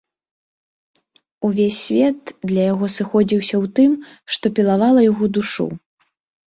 Увесь свет для яго сыходзіўся ў тым, што пілавала яго душу.